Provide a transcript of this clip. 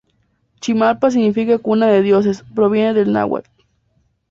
Chimalpa significa "Cuna de Dioses" proviene del náhuatl.